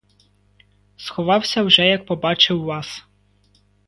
Сховався вже, як побачив вас.